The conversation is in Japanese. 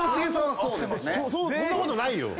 そんなことないよ！